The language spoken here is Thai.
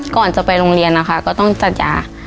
ก่อนจะไปโรงเรียนนะคะก็ต้องจัดยา